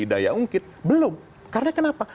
di daya ungkit belum karena kenapa